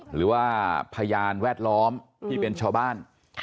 หรือว่าพยานแวดล้อมที่เป็นชาวบ้าน